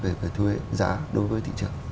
về thuế giá đối với thị trường